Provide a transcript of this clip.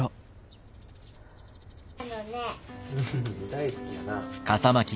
大好きやな。